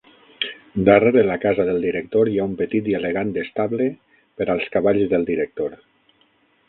Darrere la casa del director hi ha un petit i elegant estable per als cavalls del director.